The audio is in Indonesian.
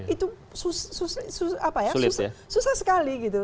itu susah sekali gitu